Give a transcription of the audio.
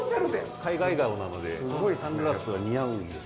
海外顔なのでサングラスは似合うんです。